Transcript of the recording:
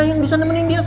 yang bisa nemenin riffky